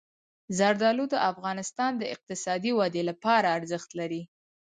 زردالو د افغانستان د اقتصادي ودې لپاره ارزښت لري.